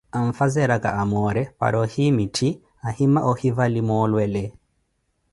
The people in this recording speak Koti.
anfazeraka amore para ohiimithi ahima ohivali molwele